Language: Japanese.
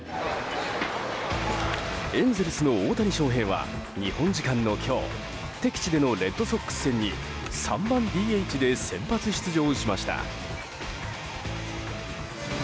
エンゼルスの大谷翔平は日本時間の今日敵地でのレッドソックス戦に３番ＤＨで先発出場しました。